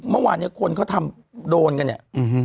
เมื่อวานเนี่ยคนเขาทำโดนกันเนี่ย